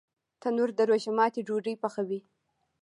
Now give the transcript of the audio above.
تنور د روژه ماتي ډوډۍ پخوي